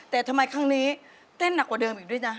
แต่ทำไมครั้งนี้เต้นหนักกว่าเดิมอีกด้วยจ๊ะ